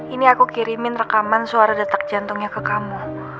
ini aku kirimin rekaman suara detak jantungnya ke kamu